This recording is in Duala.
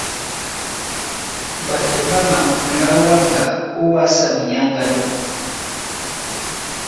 Ɓato ɓá mapulá wáŋga ówásá minyáŋgádú.